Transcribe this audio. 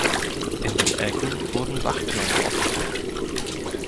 In den Ecken wurden Wachtürme aufgestellt.